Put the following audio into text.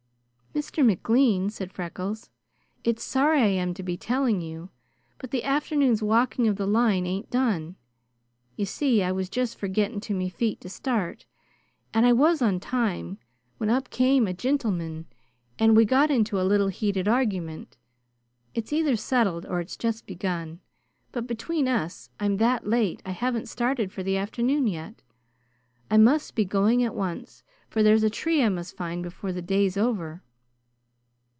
"Mr. McLean," said Freckles, "it's sorry I am to be telling you, but the afternoon's walking of the line ain't done. You see, I was just for getting to me feet to start, and I was on time, when up came a gintleman, and we got into a little heated argument. It's either settled, or it's just begun, but between us, I'm that late I haven't started for the afternoon yet. I must be going at once, for there's a tree I must find before the day's over."